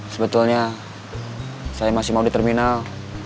sebetulnya saya masih mau di terminal